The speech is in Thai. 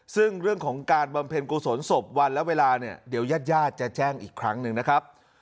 ซึ่งเรื่องของการบำเพ็ญกุศลศพวันและเวลาเนี่ยเดี๋ยวญาติญาติจะแจ้งอีกครั้งหนึ่งนะครับ